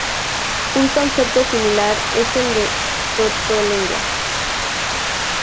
Un concepto similar es el de protolengua.